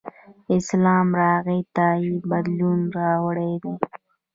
اسلام راغی ته یې بدلون راوړی دی.